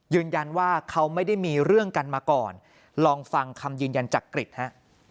ยืนยันว่าเขาไม่ได้มีเรื่องกันมาก่อนลองฟังคำยืนยันจากกริจฮะ